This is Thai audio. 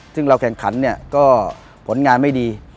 ซึ่งเราแข่งขันเนี่ยก็ผลงานไม่ดี